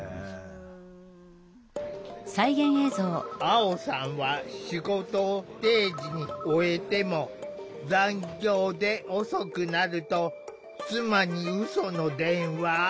アオさんは仕事を定時に終えても「残業で遅くなる」と妻にうその電話。